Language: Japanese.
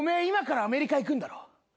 今からアメリカ行くんだろ？